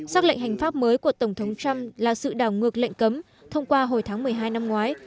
xác lệnh hành pháp mới của tổng thống trump là sự đảo ngược lệnh cấm thông qua hồi tháng một mươi hai năm ngoái